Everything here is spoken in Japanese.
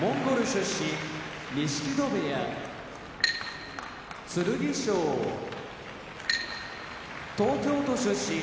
出身錦戸部屋剣翔東京都出身